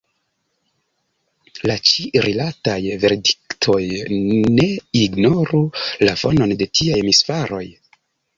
La ĉi-rilataj verdiktoj ne ignoru la fonon de tiaj misfaroj.